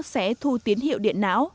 sẽ thu tiến hiệu điện não